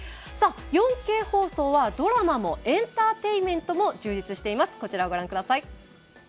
４Ｋ放送はドラマもエンターテインメントも充実しています。